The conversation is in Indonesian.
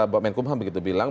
bapak menkumham begitu bilang